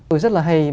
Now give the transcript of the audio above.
tôi rất là hay